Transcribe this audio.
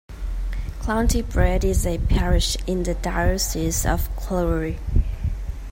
Clontibret is a parish in the Diocese of Clogher.